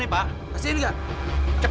terima kasih bang ya